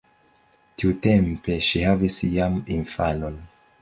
Tiutempe ŝi havis jam infanon.